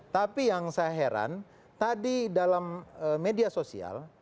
tapi yang saya heran tadi dalam media sosial